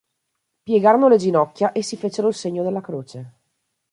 Piegarono le ginocchia e si fecero il segno della croce.